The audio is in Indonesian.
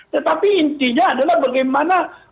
tetapi intinya adalah bagaimana